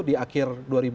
di akhir dua ribu enam belas